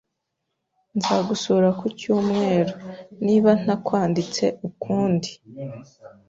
Nzagusura ku cyumweru, niba ntakwanditse ukundi.